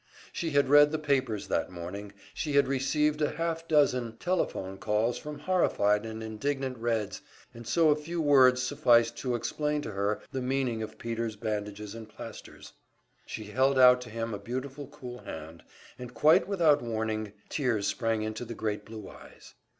She had read the papers that morning, she had received a half dozen telephone calls from horrified and indignant Reds, and so a few words sufficed to explain to her the meaning of Peter's bandages and plasters. She held out to him a beautiful cool hand, and quite without warning, tears sprang into the great blue eyes.